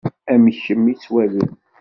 Am kemm i ttwaliɣ.